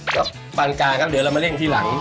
ครับฟันการก็เดี๋ยวเรามาเร่งที่หลัง